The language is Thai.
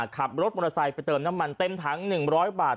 ขับรถมอเตอร์ไซค์ไปเติมน้ำมันเต็มถัง๑๐๐บาท